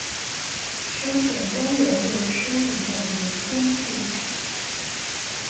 书写温柔又疏离的人间剧场。